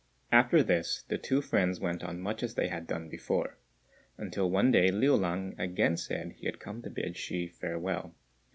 After this the two friends went on much as they had done before, until one day Liu lang again said he had come to bid Hsü farewell.